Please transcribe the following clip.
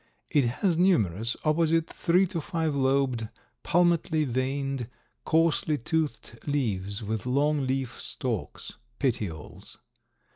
It has numerous opposite three to five lobed, palmately veined, coarsely toothed leaves with long leaf stalks (petioles).